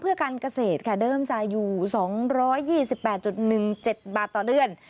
เพื่อการเกษตรค่ะเดิมจ่ายอยู่๒๒๘๑๗บาทต่อเดือน